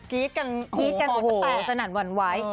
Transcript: กรี๊ดกันสตาสนั่นหวั่นไหว